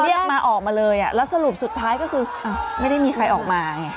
เรียกมาออกมาเลยแล้วสรุปสุดท้ายก็คือไม่ได้มีใครออกมาไง